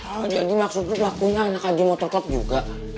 oh jadi maksudnya lakunya anak aja mau tetap juga